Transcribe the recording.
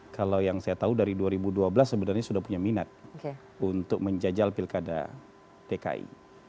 kalau yang saya tahu dari dua ribu dua belas sebenarnya sudah punya minat untuk menjajal pilkada dki